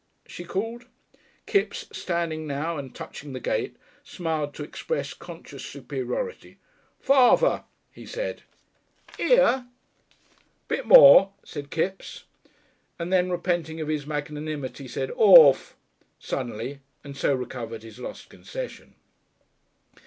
she called. Kipps, standing now and touching the gate, smiled to express conscious superiority. "Further!" he said. "Here?" "Bit more!" said Kipps, and then, repenting of his magnanimity, said "Orf!" suddenly, and so recovered his lost concession.